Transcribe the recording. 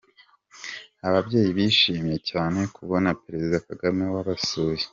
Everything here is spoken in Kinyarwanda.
Ababyeyi bishimiye cyane kubona Perezida Kagame wabasuye.